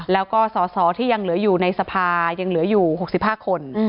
แล้วก็สอสอที่ยังเหลืออยู่ในสภายังเหลืออยู่๖๕คน